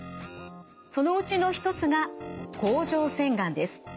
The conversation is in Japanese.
そのうちの１つが甲状腺がんです。